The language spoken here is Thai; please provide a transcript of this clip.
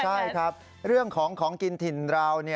ใช่ครับเรื่องของของกินถิ่นเรา